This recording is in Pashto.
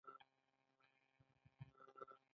د ادرسکن سیند له هرات راځي